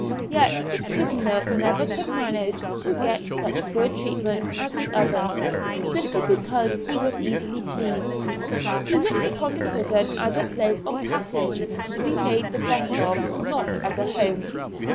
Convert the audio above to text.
Yet this prisoner never could manage to get such good treatment as the other, simply because he was easily pleased. He looked upon the prison as a place of passage to be made the best of, not as a home.